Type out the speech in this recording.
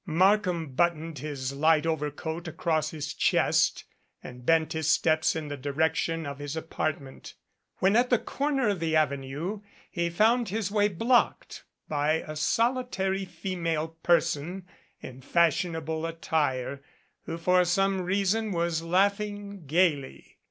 Markham buttoned his light overcoat across his chest and bent his steps in the direction of his apartment, 256 'A LADY IN THE DUSK when at the corner of the Avenue he found his way blocked by a solitary female person in fashionable attire who for some reason was laughing gaily.